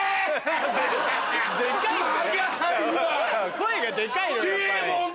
声がでかいのよ。